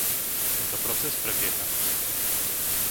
Tento proces prebieha.